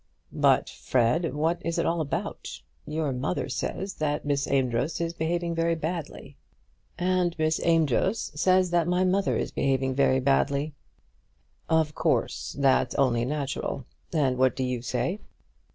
"But, Fred, what is it all about? Your mother says that Miss Amedroz is behaving very badly." "And Miss Amedroz says that my mother is behaving very badly." "Of course; that's only natural. And what do you say?"